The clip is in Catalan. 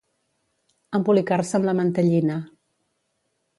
Embolicar-se amb la mantellina.